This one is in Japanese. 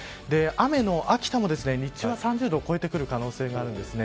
雨の秋田も日中は３０度を超えてくる可能性があります。